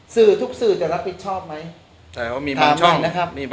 สื่อทุกสื่อจะรับผิดชอบไหมถามใหม่นะครับ